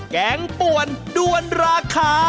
แกงป่วนด้วนราคา